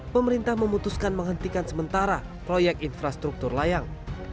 pemerintah memutuskan menghentikan sementara proyek infrastruktur layang